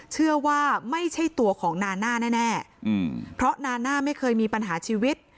เชื่อว่าไม่ใช่ตัวของนาน่าแน่เพราะนาน่าไม่เคยมีปัญหาชีวิต